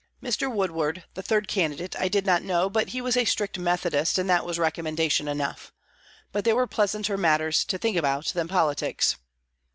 Mr. Woodward, the third candidate, I did not know, but he was a strict Methodist, and that was recommendation enough. But there were pleasanter matters to think about than politics.